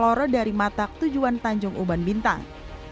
kepala roro dari matak tujuan tanjung uban bintang